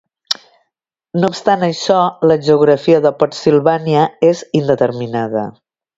No obstant això, la geografia de Pottsylvania és indeterminada.